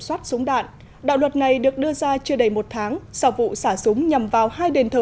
soát súng đạn đạo luật này được đưa ra chưa đầy một tháng sau vụ xả súng nhằm vào hai đền thờ